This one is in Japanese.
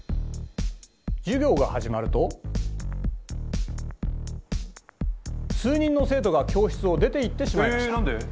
授業が始まると数人の生徒が教室を出ていってしまいました。